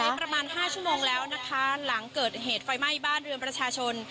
ประมาณห้าชั่วโมงแล้วนะคะหลังเกิดเหตุไฟไหม้บ้านเรือนประชาชน